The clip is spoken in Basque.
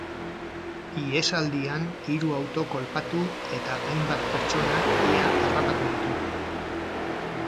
Ihesaldian hiru auto kolpatu eta hainbat pertsona ia harrapatu ditu.